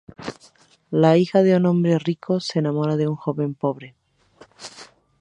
La hija de un hombre rico se enamora de un joven pobre.